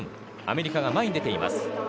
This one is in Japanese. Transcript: アメリカが前に出ています。